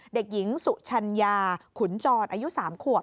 เด็กหญิงสุชัญญาขุนจรอายุ๓ขวบ